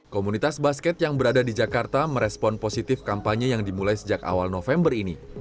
komunitas basket yang berada di jakarta merespon positif kampanye yang dimulai sejak awal november ini